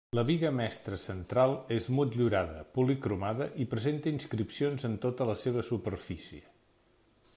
La biga mestra central és motllurada, policromada i presenta inscripcions en tota la seva superfície.